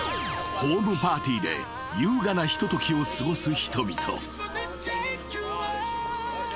［ホームパーティーで優雅なひとときを過ごす人々］